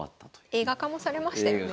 映画化もされましたよね。